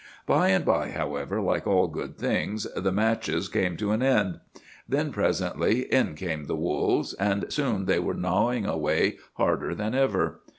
"'By and by, however, like all good things, the matches came to an end. Then presently in came the wolves, and soon they were gnawing away harder than ever.